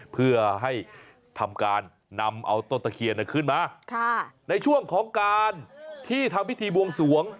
เพื่อให้ทำการนำเอาต้นตะเคียนขึ้นมาในช่วงของการที่ทำพิธีบวงสวง